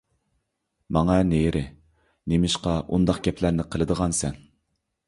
— ماڭە نېرى، نېمىشقا ئۇنداق گەپلەرنى قىلىدىغانسەن؟